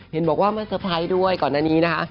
เห็นบอกว่ามาเตอร์ไพรส์ด้วยก่อนหน้านี้นะคะ